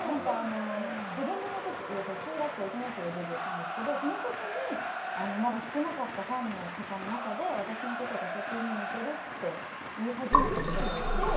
中学３年でデビューしたんですけどその時にまだ少なかったファンの中で私のことをガチャピンに似てるって言い始めた人がいて。